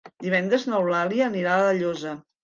Divendres n'Eulàlia anirà a La Llosa.